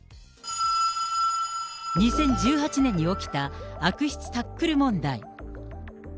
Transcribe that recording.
２０１８年に起きた悪質タックル問題。